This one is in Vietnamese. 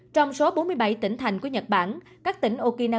trong số bốn mươi bảy tỉnh thành của nhật bản các tỉnh okina